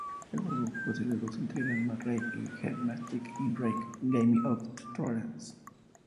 El juego posee dos entregas más: Reigns: Her Majesty y Reigns: Game of Thrones.